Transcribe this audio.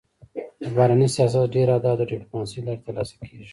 د بهرني سیاست ډېری اهداف د ډيپلوماسی له لارې تر لاسه کېږي.